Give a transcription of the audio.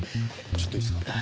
ちょっといいですか？